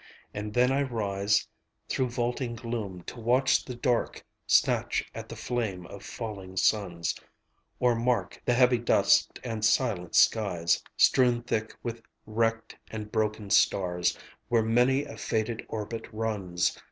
And then I rise Through vaulting gloom, to watch the dark Snatch at the flame of failing suns; Or mark The heavy dusked and silent skies, Strewn thick with wrecked and broken stars, Where many a fated orbit runs.